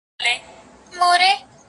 چي خوب ته راسې بس هغه شېبه مي ښه تېرېږي